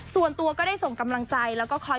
ส่วนตัวก็ได้ส่งกำลังใจแล้วก็คอย